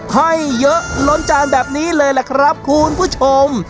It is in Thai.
ให้เยอะล้นจานแบบนี้เลยล่ะครับคุณผู้ชม